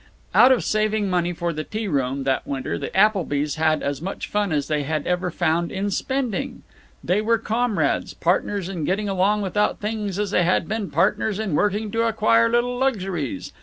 Out of saving money for the tea room, that winter, the Applebys had as much fun as they had ever found in spending. They were comrades, partners in getting along without things as they had been partners in working to acquire little luxuries.